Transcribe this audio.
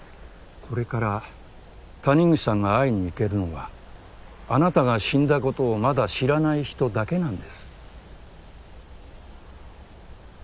これから谷口さんが会いに行けるのはあなたが死んだことをまだ知らない人だけなんです。